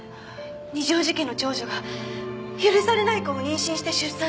二条路家の長女が許されない子を妊娠して出産した。